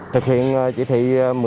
thực hiện chỉ thị một mươi sáu